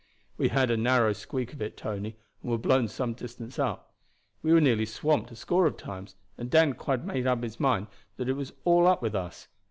"We had a narrow squeak of it, Tony, and were blown some distance up. We were nearly swamped a score of times, and Dan quite made up his mind that it was all up with us.